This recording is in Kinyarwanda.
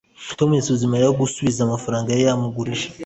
tom yasabye mariya gusubiza amafaranga yari yamugurije